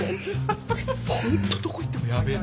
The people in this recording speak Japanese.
ホントどこ行ってもヤベえな。